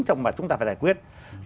trong mà chúng ta phải giải quyết